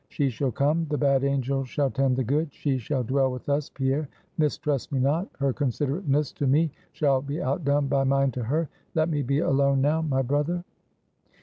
She shall come. The Bad angel shall tend the Good; she shall dwell with us, Pierre. Mistrust me not; her considerateness to me, shall be outdone by mine to her. Let me be alone now, my brother."